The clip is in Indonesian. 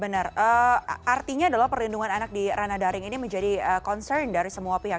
benar artinya adalah perlindungan anak di ranah daring ini menjadi concern dari semua pihak